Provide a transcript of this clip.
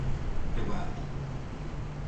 De balde.